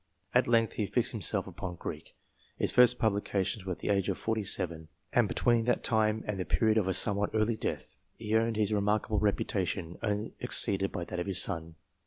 At length he fixed himself upon Greek. His first publications were at the age of forty seven, and between that time and the period of a somewhat early death, he earned his remark able reputation, only exceeded by that of his son.